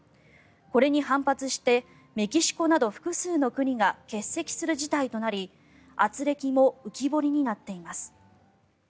これに反発してメキシコなど複数の国が欠席する事態となり、あつれきも浮き彫りになっています。